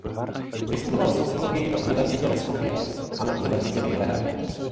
Vystudoval sociologii na univerzitě ve Skopje a na univerzitě v Bělehradě.